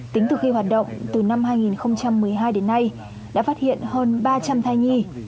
tính từ khi hoạt động từ năm hai nghìn một mươi hai đến nay đã phát hiện hơn ba trăm linh thai nhi